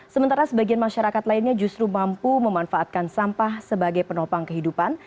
sementara sebagian masyarakat lainnya justru mampu memanfaatkan sampah sebagai penopang kehidupan